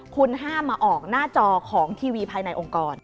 คุณห้ามมาออกหน้าจอของทีวีภายในองค์กร